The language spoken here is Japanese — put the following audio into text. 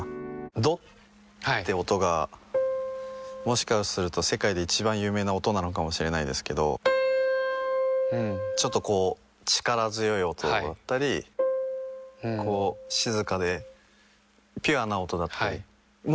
ドっていう音がもしかすると世界で一番有名な音なのかもしれないですけれどちょっとこう力強い音だったりはい静かでピュアな音だったりはい